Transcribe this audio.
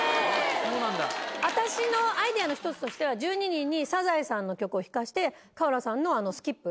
私のアイデアの１つとしては１２人に『サザエさん』の曲を弾かせて川田さんのあのスキップ。